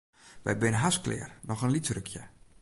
Wy binne hast klear, noch in lyts rukje.